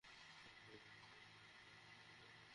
এই কারণে আমরা এখানে এই মতেরই উল্লেখ করেছি।